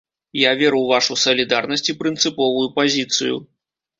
Я веру ў вашу салідарнасць і прынцыповую пазіцыю.